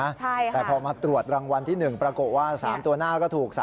แต่พอมาตรวจรางวัลที่๑ปรากฏว่า๓ตัวหน้าก็ถูก๓